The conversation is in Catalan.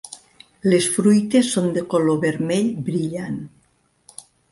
Les fruites són de color vermell brillant.